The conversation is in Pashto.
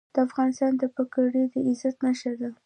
د افغانستان پګړۍ د عزت نښه ده